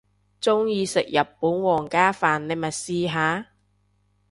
鍾意食日本皇家飯你咪試下